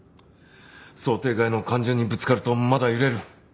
想定外の感情にぶつかるとまだ揺れる。